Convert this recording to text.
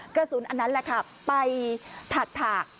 กระสุนอันนั้นไปถาก